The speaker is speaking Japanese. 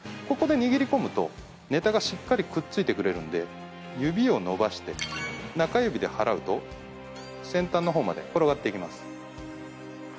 ここで握り込むとネタがしっかりくっついてくれるんで指を伸ばして中指で払うと先端の方まで転がっていきます。